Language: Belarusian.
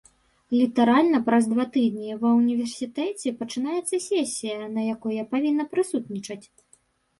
Літаральна праз два тыдні ва ўніверсітэце пачынаецца сесія, на якой я павінна прысутнічаць.